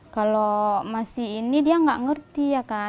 kalau masih ini dia nggak ngerti ya kan